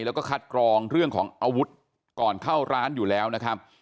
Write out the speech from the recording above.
แล้วก็คัดกรองเรื่องของอาวุธก่อนเข้าร้านอยู่แล้วนะครับ